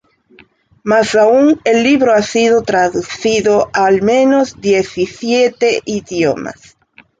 Más aún, el libro ha sido traducido a, al menos, diecisiete idiomas.